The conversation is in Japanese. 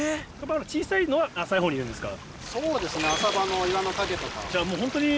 小さいのは浅い方にいるんですか？